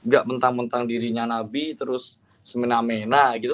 gak mentang mentang dirinya nabi terus semena mena gitu